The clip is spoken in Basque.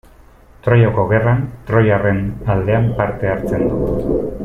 Troiako Gerran, troiarren aldean parte hartzen du.